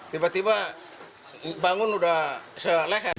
tiba tiba bangun udah seleher